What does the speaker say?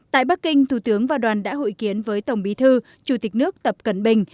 tại bắc kinh thủ tướng và đoàn đã hội kiến với tổng bí thư chủ tịch nước tập cận bình